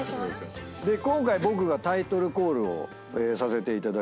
で今回僕がタイトルコールをさせていただきます。